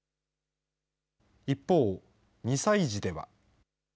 一方、２歳児では。